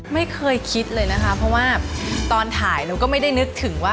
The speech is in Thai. ไม่เคยคิดเลยนะคะเพราะว่าตอนถ่ายเราก็ไม่ได้นึกถึงว่า